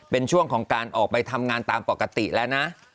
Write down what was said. เป็นช่วงของการออกไปทำงานตามปกติแล้วนะ